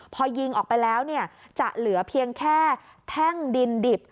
พอยิงออกไปแล้วจะเหลือเพียงแค่แท่งดินดิบ